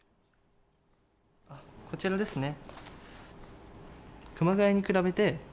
こちらですね。